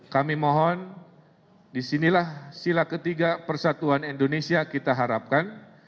kami mohon disinilah sila ketiga persatuan indonesia kita harapkan